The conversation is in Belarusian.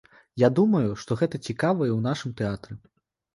Я думаю, што гэта цікава і ў нашым тэатры.